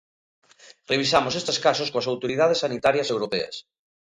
Revisamos estes casos coas autoridades sanitarias europeas.